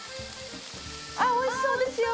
あっ美味しそうですよ。